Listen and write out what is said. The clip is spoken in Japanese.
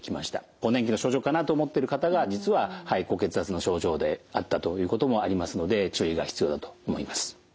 更年期の症状かなと思ってる方が実は肺高血圧の症状であったということもありますので注意が必要だと思います。